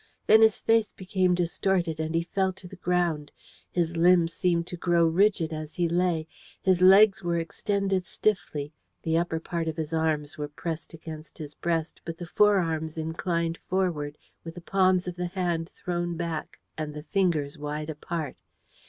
Then his face became distorted, and he fell to the ground. His limbs seemed to grow rigid as he lay; his legs were extended stiffly, the upper part of his arms were pressed against his breast, but the forearms inclined forward, with the palms of the hand thrown back, and the fingers wide apart.